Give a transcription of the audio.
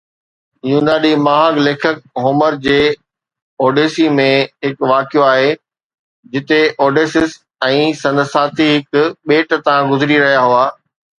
يوناني مهاڳ ليکڪ هومر جي اوڊيسي ۾، هڪ واقعو آهي جتي اوڊيسيس ۽ سندس ساٿي هڪ ٻيٽ تان گذري رهيا هئا.